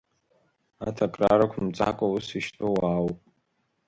Аҭакра рықәымҵакәа ус ишьтәу уаауп!